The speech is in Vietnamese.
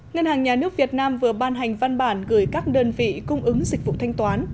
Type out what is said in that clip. ngân hàng nhà nước việt nam vừa ban hành văn bản gửi các đơn vị cung ứng dịch vụ thanh toán